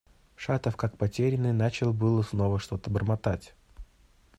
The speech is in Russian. Шатов как потерянный начал было снова что-то бормотать.